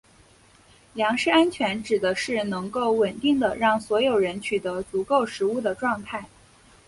粮食安全指的是能够稳定地让所有人取得足够食物的状态。